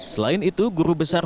selain itu guru besar